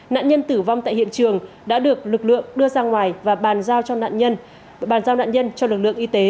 nạn nhân tử vong tại hiện trường đã được lực lượng đưa ra ngoài và bàn giao cho nạn nhân cho lực lượng y tế